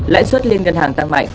lãi suất liên ngân hàng tăng mạnh